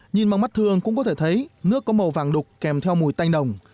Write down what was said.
nhìn bằng mắt thường cũng có thể thấy nước có màu vàng đục kèm theo mùi tanh đồng